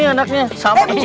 ini anaknya sama kecilnya